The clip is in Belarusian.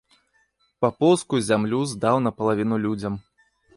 Папоўскую зямлю здаў напалавіну людзям.